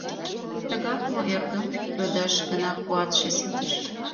— Тыгак мо, эргым?.. — йодаш гына куатше ситыш.